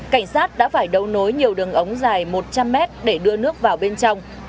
cảnh sát đã phải đấu nối nhiều đường ống dài một trăm linh mét để đưa nước vào bên trong